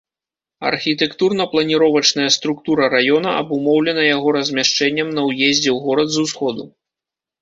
Архітэктурна-планіровачная структура раёна абумоўлена яго размяшчэннем на ўездзе ў горад з усходу.